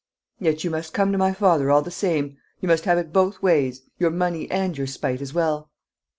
"Yet you must come to my father all the same; you must have it both ways your money and your spite as well!"